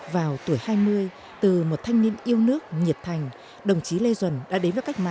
vào tuổi hai mươi từ một thanh niên yêu nước nhiệt thành đồng chí lê duẩn đã đến với cách mạng